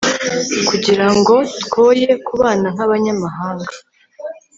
kugira ngo twoye kubana nk'abanyamahanga